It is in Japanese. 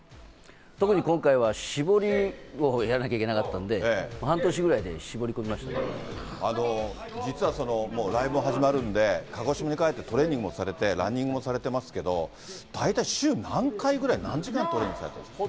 特に今回は絞りをやらなきゃいけなかったんで、半年ぐらいで絞り実はもう、ライブも始まるんで、鹿児島に帰ってトレーニングされて、ランニングもされてますけど、大体週何回ぐらい、何時間トレーニングされてるんですか？